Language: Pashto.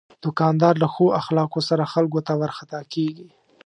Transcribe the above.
دوکاندار له ښو اخلاقو سره خلکو ته ورخطا کېږي.